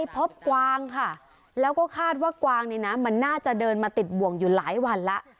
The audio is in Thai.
กวางค่ะแล้วก็คาดว่ากวางเนี่ยนะมันน่าจะเดินมาติดบ่วงอยู่หลายวันแล้ว